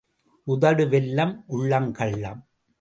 உதடு வெல்லம் உள்ளம் கள்ளம்.